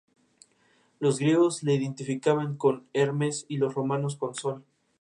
Las organizaciones son independientes entre sí, pero cooperan unas con otras.